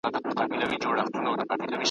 او له هیلمند څخه تر جلال آباد ,